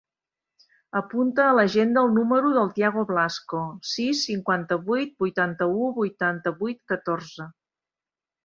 Apunta a l'agenda el número del Tiago Blasco: sis, cinquanta-vuit, vuitanta-u, vuitanta-vuit, catorze.